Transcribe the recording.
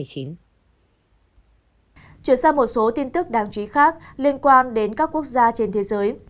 chuyển sang một số tin tức đáng chú ý khác liên quan đến các quốc gia trên thế giới